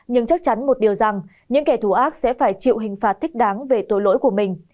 nhưng chắc chắn một điều rằng những kẻ thù ác sẽ phải chịu hình phạt thích đáng về tội lỗi của mình